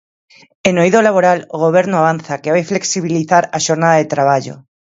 E no eido laboral, o Goberno avanza que vai flexibilizar a xornada de traballo.